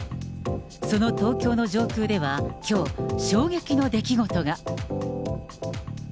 その東京の上空では、きょう、衝撃の出来事が。